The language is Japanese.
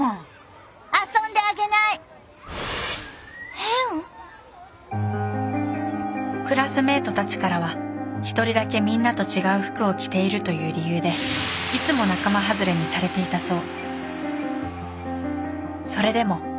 でもクラスメートたちからは一人だけみんなと違う服を着ているという理由でいつも仲間外れにされていたそう。